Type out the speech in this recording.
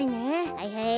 はいはい。